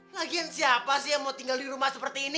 nagian siapa sih yang mau tinggal di rumah seperti ini